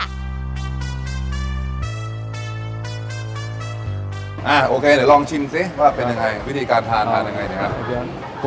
โอเคเดี๋ยวลองชิมซิว่าเป็นยังไงวิธีการทานทานยังไงนะครับ